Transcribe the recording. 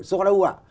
do đâu ạ